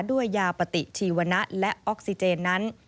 ด้วยยาปฏิชีวนะและออกซิเจนนั้น